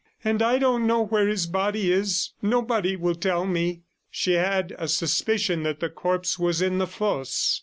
And I don't know where his body is; nobody will tell me." She had a suspicion that the corpse was in the fosse.